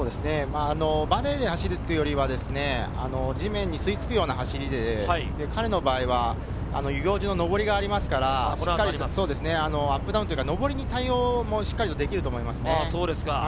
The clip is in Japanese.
バネで走るというよりは地面に吸いつくような走りで彼の場合は遊行寺の上りがありますからアップダウン、上りに対応もしっかりできると思います。